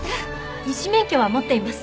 医師免許は持っています。